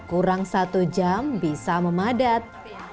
kurang satu jam bisa memadat